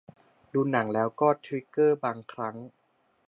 ดูหนังแล้วก็ทริกเกอร์ บางครั้ง